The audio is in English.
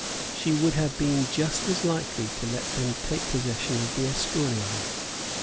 She would have been just as likely to let them take possession of the Escurial.